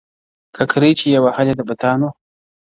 ككرۍ چي يې وهلې د بتانو؛